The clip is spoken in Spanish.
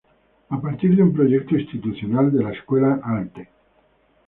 A partir de un proyecto institucional de la Escuela Alte.